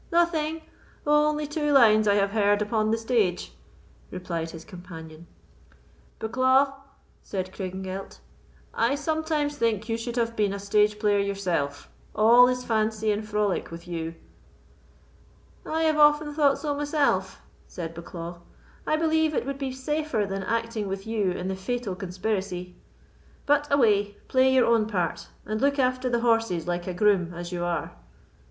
"Nothing, only two lines I have heard upon the stage," replied his companion. "Bucklaw," said Craigengelt, "I sometimes think you should have been a stage player yourself; all is fancy and frolic with you." "I have often thought so myself," said Bucklaw. "I believe it would be safer than acting with you in the Fatal Conspiracy. But away, play your own part, and look after the horses like a groom as you are.